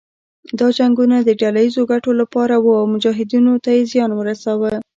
دا جنګونه د ډله ييزو ګټو لپاره وو او مجاهدینو ته يې زیان ورساوه.